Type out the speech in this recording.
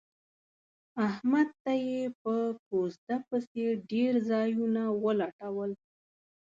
احمد ته یې په کوزده پسې ډېر ځایونه ولټول.